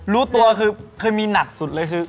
รู้ตัวคือเคยมีหนักสุดเลยคือ